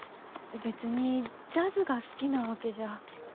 別にジャズが好きなわけじゃ。